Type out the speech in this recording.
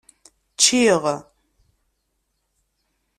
Ččiɣ.